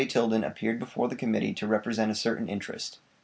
Tilden appeared before the committee to represent a certain interest.